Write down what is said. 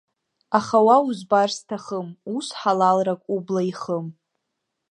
Аха уа узбар сҭахым, ус ҳалалрак убла ихым.